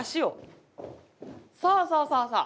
そうそうそうそう！